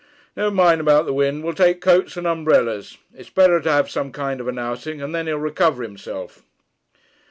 'Never mind about the wind. We'll take coats and umbrellas. It's better to have some kind of an outing, and then he'll recover himself.'